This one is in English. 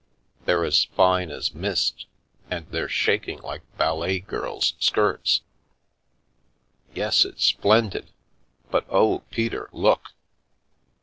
They're as fine as mist, and they're shaking like ballet girls' skirts." "Yes, it's splendid. But oh, Peter, look!"